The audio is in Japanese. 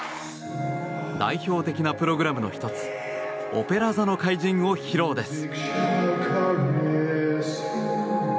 代表的なプログラムの１つ「オペラ座の怪人」を披露です。